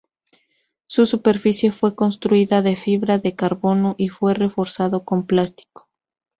Su superficie fue construida de fibra de carbono y fue reforzado con plástico.